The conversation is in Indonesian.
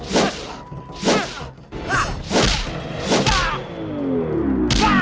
lompat ke jurang